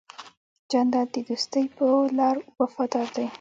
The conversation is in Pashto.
جانداد د دوستی په لار وفادار دی.